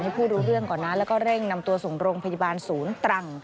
ผู้รู้เรื่องก่อนนะแล้วก็เร่งนำตัวส่งโรงพยาบาลศูนย์ตรัง